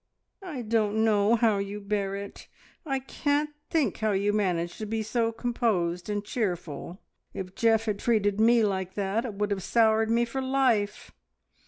"I don't know how you bear it! I can't think how you manage to be so composed and cheerful! If Geoff had treated me like that, it would have soured me for life.